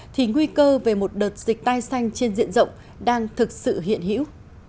thì nguy cơ về một đợt dịch tai xanh trên diện rộng đang thực sự hiện hữu